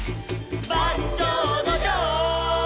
「バンジョーのジョー」